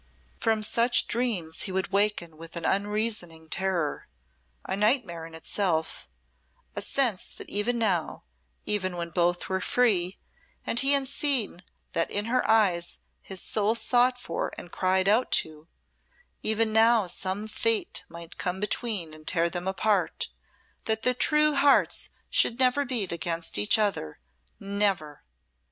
From such dreams he would waken with an unreasoning terror a nightmare in itself a sense that even now, even when both were free and he had seen that in her eyes his soul sought for and cried out to even now some Fate might come between and tear them apart, that their hearts should never beat against each other never!